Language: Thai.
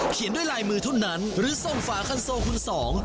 เขียนด้วยลายมือเท่านั้นหรือส่งฝาคันโซคุณสอง